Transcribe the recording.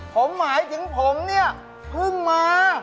ผมหมายถึงผมเนี่ยเพิ่งมา